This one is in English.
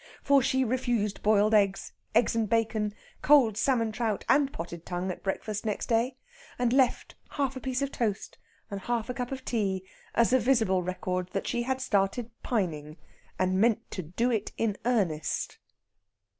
For she refused boiled eggs, eggs and bacon, cold salmon trout, and potted tongue at breakfast next day, and left half a piece of toast and half a cup of tea as a visible record that she had started pining, and meant to do it in earnest.